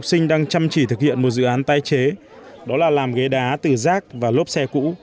các em học sinh đang chăm chỉ thực hiện một dự án tái chế đó là làm ghê đá từ rác và lốp xe cũ